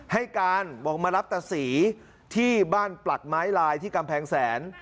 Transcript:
ให้การบอกมารับตาศรีที่บ้านปลักไม้ลายที่กำแพงแสน